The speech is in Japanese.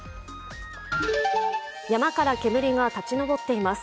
山から煙が立ち上っています。